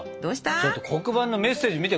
ちょっと黒板のメッセージ見て。